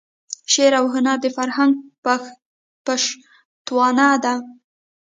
شعر او هنر د فرهنګ پشتوانه ده.